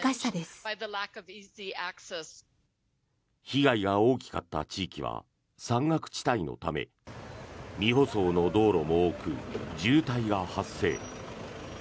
被害が大きかった地域は山岳地帯のため未舗装の道路も多く渋滞が発生。